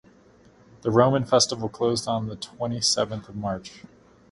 The Roman festival closed on the twenty-seventh of March.